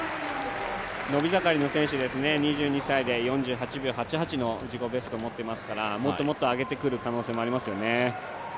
伸び盛りの選手ですね、２２歳で４８秒８８の自己ベストを持っていますからもっともっと上げてくる可能性ありますね。